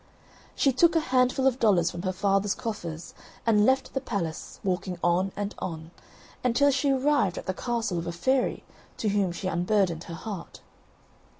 She took a handful of dollars from her father's coffers and left the palace, walking on and on, until she arrived at the castle of a fairy, to whom she unburdened her heart.